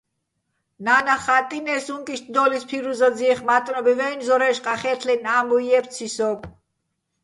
ნა́ნახ ხა́ტტინე́ს, უ̂ჼკ იშტ დო́ლო̆ ის ფირუზაძიეხ მა́ტნობივ-ა́ჲნო̆, ზორა́ჲში̆ ყახე́თლეჲნი̆ ა́მბუჲ ჲე́ფციჼ სოგო̆.